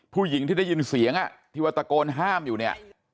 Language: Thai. ผู้หญิงที่ได้ยินเสียงที่ว่าตะโกนห้ามอยู่เนี่ย